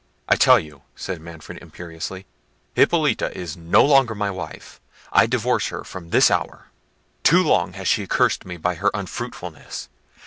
"I tell you," said Manfred imperiously, "Hippolita is no longer my wife; I divorce her from this hour. Too long has she cursed me by her unfruitfulness.